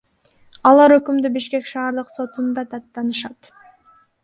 Алар өкүмдү Бишкек шаардык сотунда даттанышат.